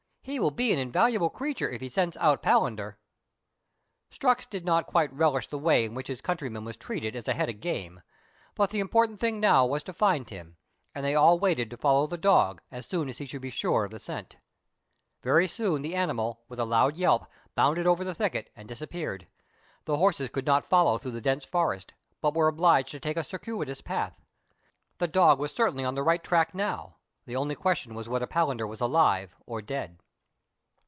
He will be an invaluable creature if he scents out Palander." Strux did not quite relish the way in which his country man was treated as a head of game ; but the important thing now was to find him, and they all waited to follow the dog, as soon as he should be sure of the scent. Very soon the animal, with a loud yelp, bounded over the thicket and disappeared. The horses could not follow through the dense forest, but were obliged to take a cir cuitous path. The dog was certainly on the right track now, the only question was whether Palander was alive or dead.